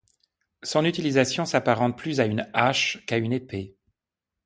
Son utilisation s'apparente plus à une hache qu'à une épée.